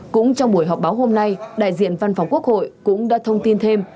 cũng trong buổi họp báo hôm nay đại diện văn phòng quốc hội cũng đã thông tin thêm